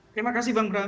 terima kasih bang bram